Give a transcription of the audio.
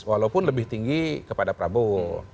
walaupun lebih tinggi kepada prabowo